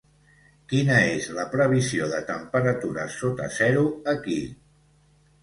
Quina és la previsió de temperatures sota zero aquí?